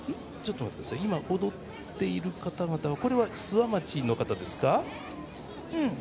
今、踊っている方たちは諏訪町の方ですか。